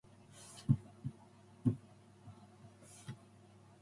The baby died some time after the premature birth.